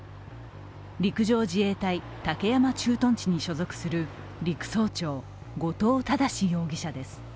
陸上自衛隊・武山駐屯地に所属する陸曹長・後藤正容疑者です。